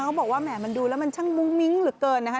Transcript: เขาบอกว่าแหม่มันดูแล้วมันช่างมุ้งมิ้งเหลือเกินนะคะ